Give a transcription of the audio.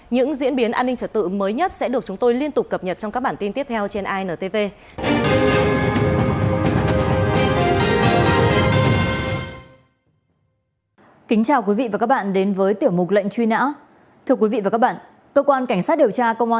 những diễn biến an ninh trật tự mới nhất sẽ được chúng tôi liên tục cập nhật trong các bản tin tiếp theo trên intv